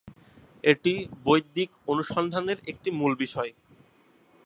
এটি বৈদিক অনুসন্ধানের একটি মূল বিষয়।